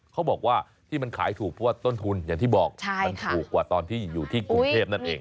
เขาบอกว่าที่มันขายถูกเพราะว่าต้นทุนอย่างที่บอกมันถูกกว่าตอนที่อยู่ที่กรุงเทพนั่นเอง